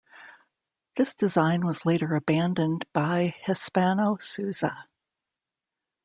This design was later abandoned by Hispano-Suiza.